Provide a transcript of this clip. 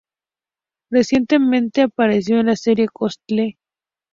Recientemente apareció en la serie Castle.